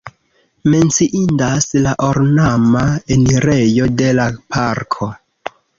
Menciindas la ornama enirejo de la parko.